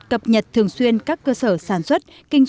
cập nhật thường xuyên các cơ sở sản xuất